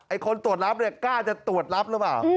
คนตรวจรับเนี่ยกล้าจะตรวจรับหรือเปล่า